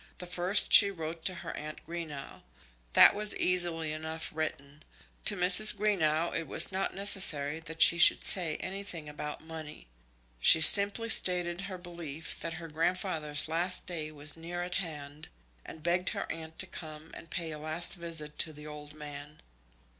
The first she wrote was to her aunt Greenow. That was easily enough written. To Mrs. Greenow it was not necessary that she should say anything about money. She simply stated her belief that her grandfather's last day was near at hand, and begged her aunt to come and pay a last visit to the old man.